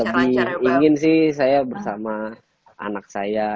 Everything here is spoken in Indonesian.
lebih ingin sih saya bersama anak saya